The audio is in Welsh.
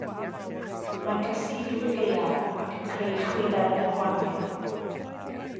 Mae'n cysgu drwy'r gaeaf ac yn creu chwiler yn y gwanwyn.